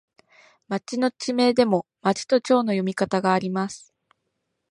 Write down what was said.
町の地名でも、まちとちょうの読み方があります。